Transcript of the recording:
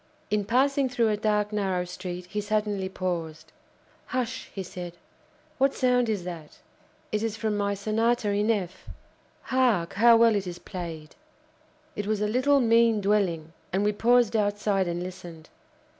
In passing through a dark, narrow street, he suddenly paused. "Hush!" he said, "what sound is that? It is from my Sonata in F. Hark! how well it is played!" It was a little, mean dwelling, and we paused outside and listened.